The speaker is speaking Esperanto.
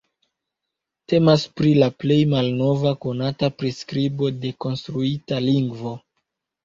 Temas pri la plej malnova konata priskribo de konstruita lingvo.